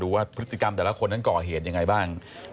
ดูว่าพฤติกรรมแต่ละคนนั้นเกาะเหตุอย่างไรบ้าง